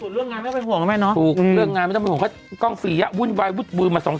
ส่วนเรื่องงานไม่ต้องไปห่วงนะแม่น้อง